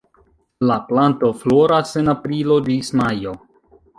La planto floras en aprilo ĝis majo.